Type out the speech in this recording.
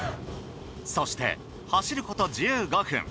そして走ること１５分。